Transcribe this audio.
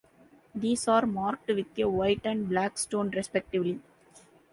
These are marked with a white and black stone respectively.